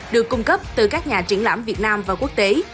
được cung cấp từ các nhà triển lãm việt nam và quốc tế